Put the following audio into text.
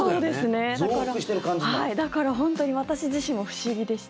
だから本当に私自身も不思議でした。